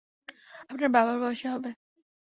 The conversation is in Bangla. আপনার বাবার বয়সী হবে।